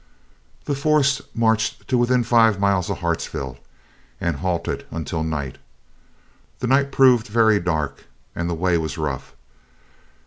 The force marched to within five miles of Hartsville, and halted until night. The night proved very dark, and the way was rough.